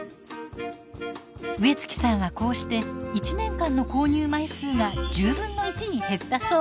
植月さんはこうして１年間の購入枚数が１０分の１に減ったそう。